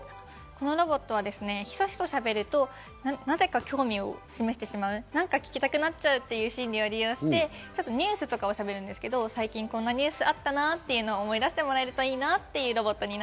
このロボットはヒソヒソしゃべると、なぜか興味を示してしまう、なんか聞きたくなっちゃうっていう心理を利用して、ニュースなどをしゃべるんですが、最近こんなニュースがあったなと思い出してもらえるといいなというロボットです。